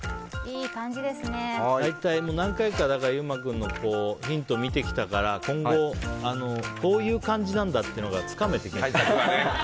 何回か優馬君のヒント見てきたからこういう感じなんだっていうのがつかめてくるね。